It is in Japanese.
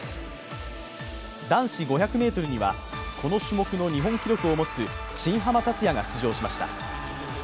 男子５００ｍにはこの種目の日本記録を持つ新濱立也が出場しました。